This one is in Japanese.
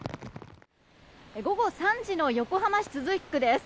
午後３時の横浜市都筑区です。